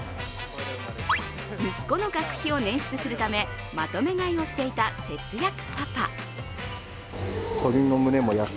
息子の学費を捻出するためまとめ買いをしていた節約パパ。